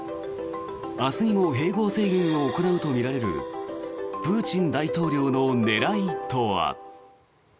明日にも併合宣言を行うとみられるプーチン大統領の狙いとは。